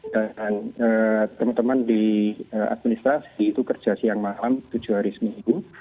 dan teman teman di administrasi itu kerja siang malam tujuh hari seminggu